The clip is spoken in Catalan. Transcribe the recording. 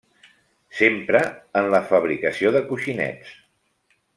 S'empra en la fabricació de coixinets.